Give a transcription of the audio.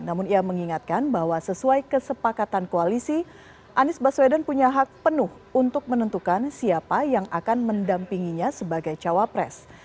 namun ia mengingatkan bahwa sesuai kesepakatan koalisi anies baswedan punya hak penuh untuk menentukan siapa yang akan mendampinginya sebagai cawapres